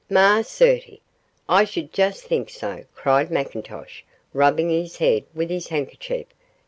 'Ma certie, I should just think so,' cried McIntosh, rubbing his head with his handkerchief.